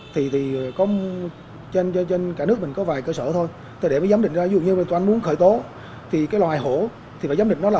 thì mình tiến hành tổ chức kiểm tra